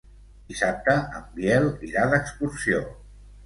Dissabte en Biel irà d'excursió.